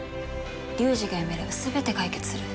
龍二が辞めれば全て解決する。